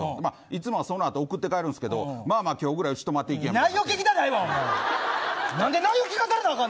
いつもその後送って帰るんですけどまあまあ今日ぐらいうち泊まっていきていって。